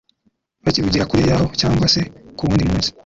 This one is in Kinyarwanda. Bakivugira kure y’aho cyangwa se ku wundi munsi